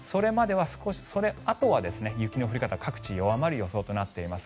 そのあとは雪の降り方各地弱まる予想となっています。